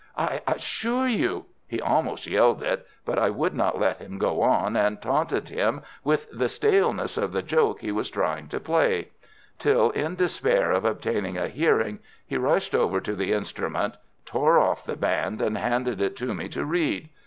"I assure you " He almost yelled it, but I would not let him go on, and taunted him with the staleness of the joke he was trying to play; till, in despair of obtaining a hearing, he rushed over to the instrument, tore off the band and handed it to me to read.